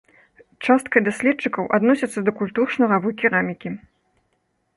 Часткай даследчыкаў адносіцца да культур шнуравой керамікі.